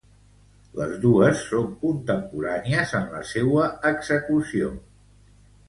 Les dos són contemporànies en la seua execució.